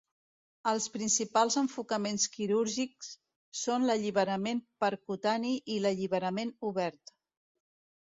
Els principals enfocaments quirúrgics són l'alliberament percutani i l'alliberament obert.